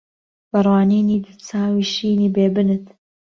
بە ڕوانینی دوو چاوی شینی بێ بنت